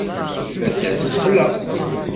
Taddart texla.